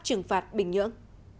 trưởng tượng của các bản đảo triều tiên